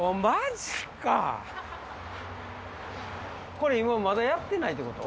これまだやってないってこと？